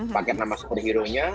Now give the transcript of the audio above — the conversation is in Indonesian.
paket nama superhero nya